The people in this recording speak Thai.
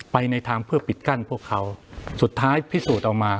ในทางเพื่อปิดกั้นพวกเขาสุดท้ายพิสูจน์ออกมา